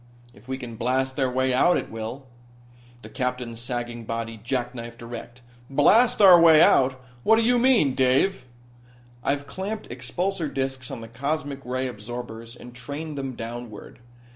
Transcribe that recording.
"If we can blast our way out, it will." The Captain's sagging body jackknifed erect. "Blast our way out? What do you mean, Dave?" "I've clamped expulsor disks on the cosmic ray absorbers and trained them downward.